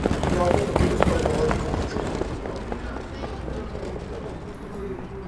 Darum geht es bei der heutigen Abstimmung.